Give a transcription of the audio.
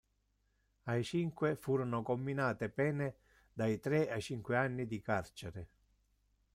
Ai cinque furono comminate pene dai tre ai cinque anni di carcere.